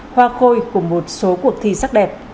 hoa khôi của một số cuộc thi sắc